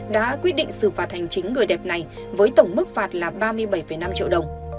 đã quyết định xử phạt hành chính người đẹp này với tổng mức phạt là ba mươi bảy năm triệu đồng